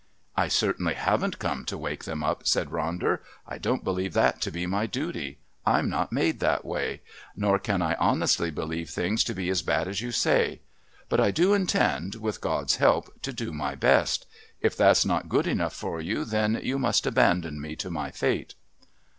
"I certainly haven't come to wake them up," said Ronder. "I don't believe that to be my duty. I'm not made that way. Nor can I honestly believe things to be as bad as you say. But I do intend, with God's help, to do my best. If that's not good enough for you, then you must abandon me to my fate."